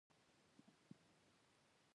د توت ونې د کلي شاوخوا پټیو کې ولاړې وې.